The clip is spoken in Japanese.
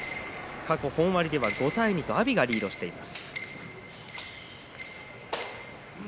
過去、本割では５対２と阿炎がリードしています。